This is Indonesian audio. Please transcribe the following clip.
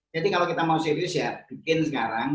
jadi kalau kita mau serius bikin sekarang